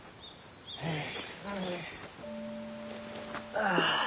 ああ。